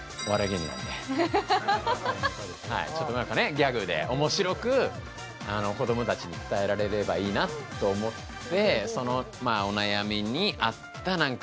ギャグで面白く子供たちに伝えられればいいなと思って。